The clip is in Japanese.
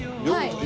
はい。